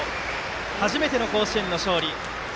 初めての甲子園の勝利。